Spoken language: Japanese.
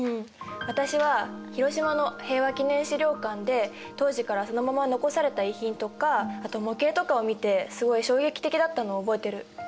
私は広島の平和記念資料館で当時からそのまま残された遺品とかあと模型とかを見てすごい衝撃的だったのを覚えてる。